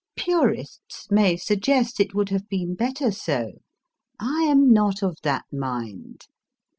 Purists may suggest it would have been better so. I am not of that mind.